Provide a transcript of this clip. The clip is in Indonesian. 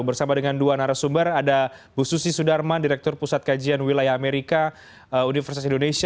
bersama dengan dua narasumber ada bu susi sudarman direktur pusat kajian wilayah amerika universitas indonesia